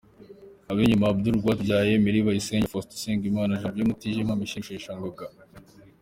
Abinyuma : Abdul Rwatubyaye, Emery Bayisenge, Faustin Usengimana, Janvier Mutijima, Michel Rusheshangoga,.